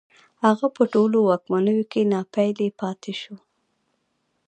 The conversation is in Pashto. هغه په ټولو واکمنیو کې ناپېیلی پاتې شو